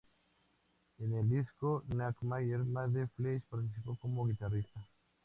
En el disco "Nightmares Made Flesh" participó como guitarrista.